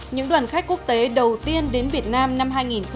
những đoàn khách quốc tế đầu tiên đến việt nam năm hai nghìn một mươi bảy